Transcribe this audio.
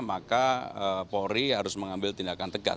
maka polri harus mengambil tindakan tegas